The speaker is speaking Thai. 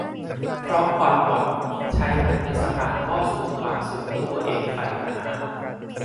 เพราะหวังใช้มันเป็นสะพานทอดสู่ความสุขที่ตัวเองใฝ่หา